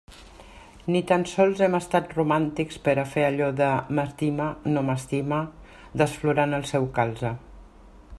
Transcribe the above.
Ni tan sols hem estat romàntics per a fer allò de «m'estima, no m'estima» desflorant el seu calze.